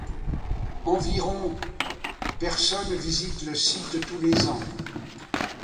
Environ personnes visitent le site tous les ans.